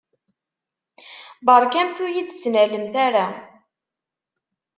Beṛkamt ur yi-d-ttnalemt ara.